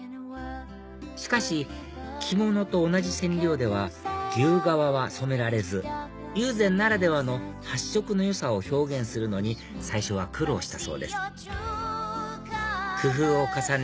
しかし着物と同じ染料では牛革は染められず友禅ならではの発色の良さを表現するのに最初は苦労したそうです工夫を重ね